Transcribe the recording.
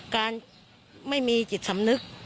การไม่มีจิตสำนึก